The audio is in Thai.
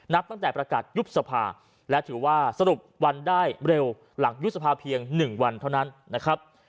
นับตั้งแต่ประกาศยุบสภาและถือว่าสรุปวันได้เร็วหลังยุบสภาเพียง๑วันเท่านั้นนะครับ